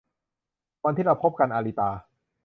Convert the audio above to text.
วันที่เราพบกัน - อาริตา